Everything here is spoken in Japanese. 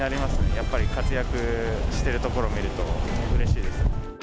やっぱり活躍してるところ見ると、うれしいですね。